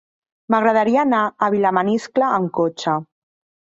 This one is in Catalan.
M'agradaria anar a Vilamaniscle amb cotxe.